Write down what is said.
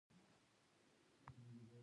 سیلابونه د افغان ځوانانو لپاره دلچسپي لري.